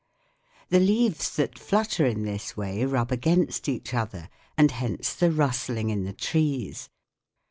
The leaves that flutter in this way rub against each other, and hence the rustling in the trees.